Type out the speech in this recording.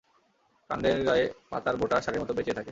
কাণ্ডের গায়ে পাতার বোঁটা শাড়ির মতো পেঁচিয়ে থাকে।